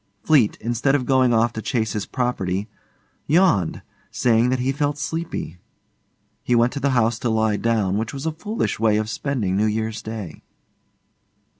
Fleete, instead of going off to chase his property, yawned, saying that he felt sleepy. He went to the house to lie down, which was a foolish way of spending New Year's Day.